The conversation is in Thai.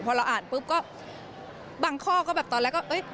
พอเราอ่านปุ๊บก็บางข้อก็แบบตอนแรกก็เอ้ย